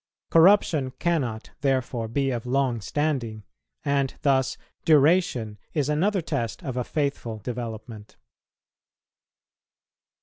Corruption cannot, therefore, be of long standing; and thus duration is another test of a faithful development.